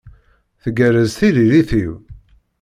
Tgerrez tiririt-iw?